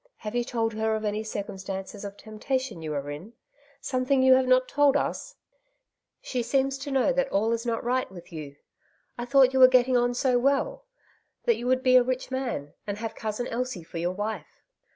Have you told her of any circumstances of tempta tion you are in ? something you have not told us ? She seems to know that all is not right with you. I thought you were getting on so well, that you would be a rich man, and have Cousin Elsie for your wife